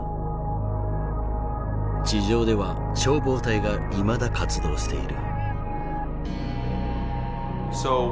地上では消防隊がいまだ活動している。